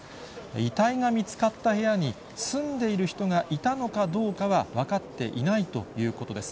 遺体が見つかった部屋に住んでいる人がいたのかどうかは分かっていないということです。